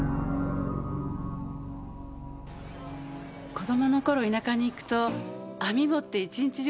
子供の頃田舎に行くと網持って一日中